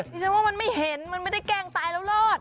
ดิฉันว่ามันไม่เห็นมันไม่ได้แกล้งตายแล้วรอด